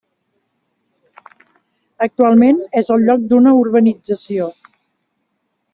Actualment és el lloc d'una urbanització.